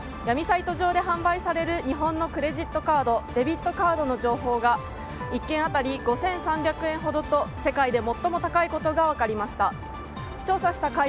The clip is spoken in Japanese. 闇サイト上で販売される日本のクレジットカードデビットカードの情報が１件当たり５３００円ほどと世界で最も高いことが分かりました。